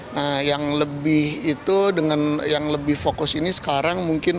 nah yang lebih itu dengan yang lebih fokus ini sekarang mungkin